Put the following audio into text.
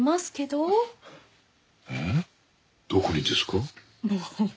どこにですか？